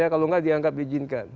kalau nggak diangkat diizinkan